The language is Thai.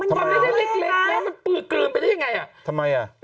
ทำไมไม่ได้เล็กนะมันปืดกลืนไปได้ยังไง